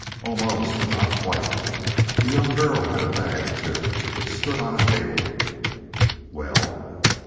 "Almost, but not quite. The young girl had a bag too. It stood on a table " "Well?"